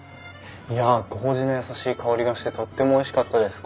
いや麹の優しい香りがしてとってもおいしかったです。